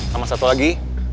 sama satu lagi